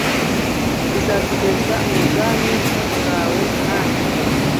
bizatugeze mu bwami bwawe (mwami)